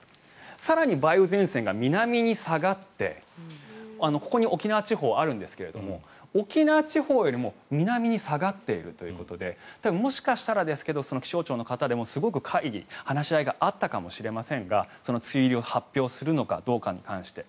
更に梅雨前線が南に下がってここに沖縄地方あるんですが沖縄地方よりも南に下がっているということでもしかしたら気象庁の方でもすごく会議、話し合いがあったかもしれませんが梅雨入りを発表するのかどうかに関して。